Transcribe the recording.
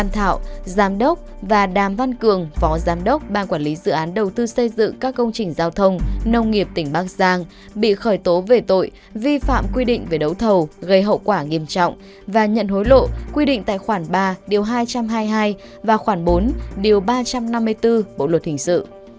trần anh quang tổng giám đốc công ty cổ phần tập đoàn thuận an bị khởi tố về tội vi phạm quy định về đấu thầu gây hậu quả nghiêm trọng và đưa hối lộ quy định tại khoảng ba hai trăm hai mươi hai và khoảng bốn ba trăm năm mươi bốn bộ luật hình sự